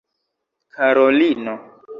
Karolino!